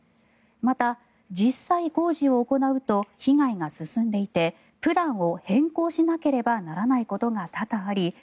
また、実際、工事を行うと被害が進んでいてプランを変更しなければならないことが多々あり